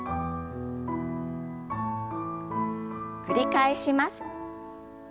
繰り返します。